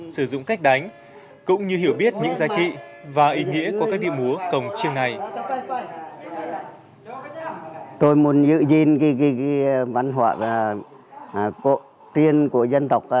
sử dụng cách đánh cũng như hiểu biết những giá trị và ý nghĩa của các điệu múa cổng chiêng này